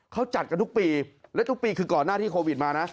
เขาจัดกันทุกปีและทุกปีคือก่อนหน้าที่โควิดมานะ